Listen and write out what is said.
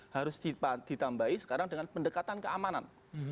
harus ditambahi sekarang dengan pendekatan keamanan